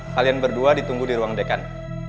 kalian berdua ditunggu di ruang dekan